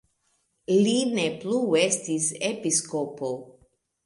Li ne plu estis episkopo.